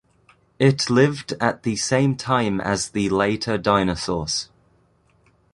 It lived at the same time as the later dinosaurs.